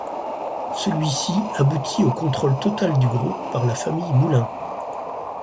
Celui-ci aboutit au contrôle total du groupe par la famille Moulin.